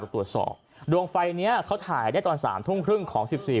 ตรวจสอบดวงไฟเนี้ยเขาถ่ายได้ตอนสามทุ่มครึ่งของสิบสี่